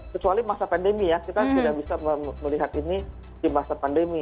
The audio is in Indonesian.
kecuali masa pandemi ya kita tidak bisa melihat ini di masa pandemi